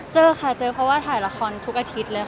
เจอค่ะเจอเพราะว่าถ่ายละครทุกอาทิตย์เลยค่ะ